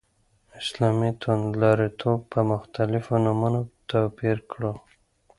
اسلامي توندلاریتوب په مختلفو نومونو توپير کړو.